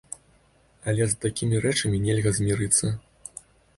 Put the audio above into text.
Але з такімі рэчамі нельга змірыцца.